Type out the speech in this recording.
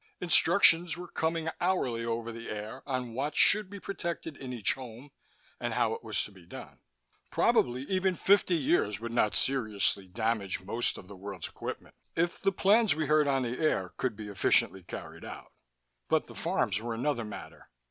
Instructions were coming hourly over the air on what should be protected in each home, and how it was to be done. Probably even fifty years would not seriously damage most of the world's equipment if the plans we heard on the air could be efficiently carried out. But the farms were another matter.